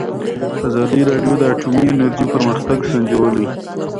ازادي راډیو د اټومي انرژي پرمختګ سنجولی.